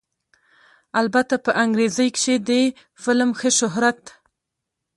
البته په انګرېزۍ کښې دې فلم ښۀ شهرت